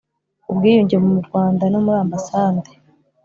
ubwiyunge mu Rwanda no muri Ambasande